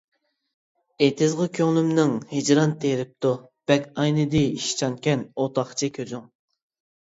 ئېتىزىغا كۆڭلۈمنىڭ ھىجران تېرىپتۇ، بەك ئاينىدى ئىشچانكەن ئوتاقچى كۆزۈڭ.